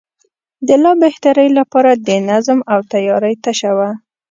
د لا بهترۍ لپاره د نظم او تیارۍ تشه وه.